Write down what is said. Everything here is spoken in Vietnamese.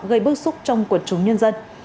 gây bức xúc trong quận trúng nhân dân